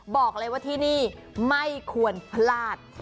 บอกเลยว่าที่นี่ไม่ควรพลาด